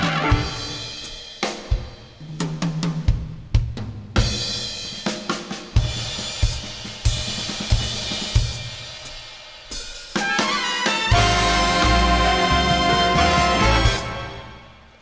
คราวเกิดรัวมากกว่านี่